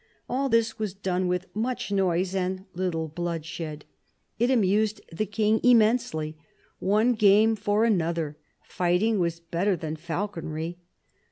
All this was done with much noise and little bloodshed. It amused the King immensely. One game for another, fight ing was better than falconry.